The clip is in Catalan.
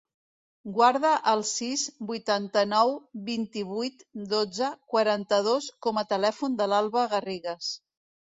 Guarda el sis, vuitanta-nou, vint-i-vuit, dotze, quaranta-dos com a telèfon de l'Alba Garrigues.